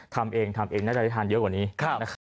ทำเองทำเองน่าจะได้ทานเยอะกว่านี้นะครับ